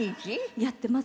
やっています